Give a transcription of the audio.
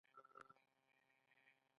آیا دا په عاشورا کې نه ترسره کیږي؟